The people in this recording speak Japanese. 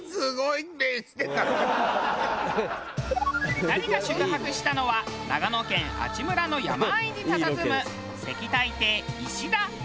２人が宿泊したのは長野県阿智村の山あいにたたずむ石苔亭いしだ。